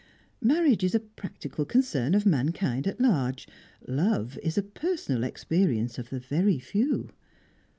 Marriage is a practical concern of mankind at large; Love is a personal experience of the very few.